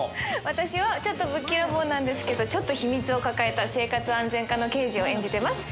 私はちょっとぶっきらぼうなんですけどちょっと秘密を抱えた生活安全課の刑事を演じてます。